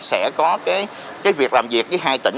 sẽ có việc làm việc với hai tỉnh